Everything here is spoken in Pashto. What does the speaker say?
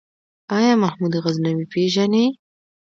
آيا محمود غزنوي پېژنې ؟